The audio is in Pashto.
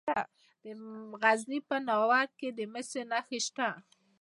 د غزني په ناور کې د مسو نښې شته.